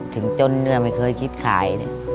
ถึงจนไม่เคยคิดขาย